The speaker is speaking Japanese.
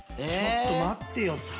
ちょっと待ってよ